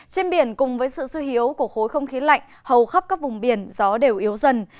trên biển cùng với sự suy yếu của khối không khí lạnh hầu khắp các vùng biển gió đều yếu dần